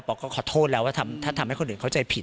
โอปอล์ก็ขอโทษแล้วถ้าทำให้คนอื่นเข้าใจผิด